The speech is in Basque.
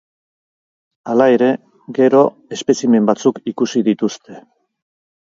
Hala ere, gero, espezimen batzuk ikusi dituzte.